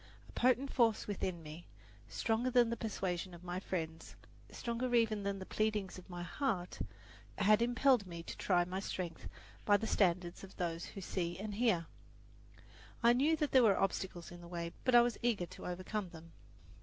A potent force within me, stronger than the persuasion of my friends, stronger even than the pleadings of my heart, had impelled me to try my strength by the standards of those who see and hear. I knew that there were obstacles in the way; but I was eager to overcome them.